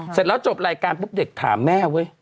เสร็จแล้วจบรายการปุ๊บเด็กถามแม่เว้ย